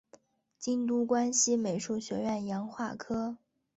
京都关西美术学院洋画科